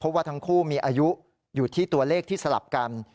เพราะว่าทั้งคู่มีอายุอยู่ที่ตัวเลขที่สลับกัน